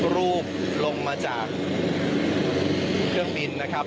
รูปลงมาจากเครื่องบินนะครับ